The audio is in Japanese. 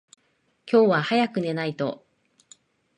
今日は早く寝ないと。